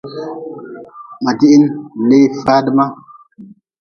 Ma dihin lee faadi ma.